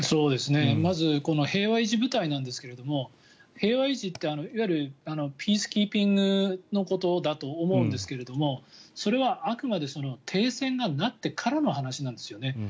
まず平和維持部隊なんですが平和維持っていわゆるピースキーピングのことだと思うんですがそれはあくまで停戦がなってからの話なんですよね。